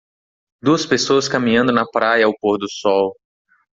Duas pessoas caminhando na praia ao pôr do sol.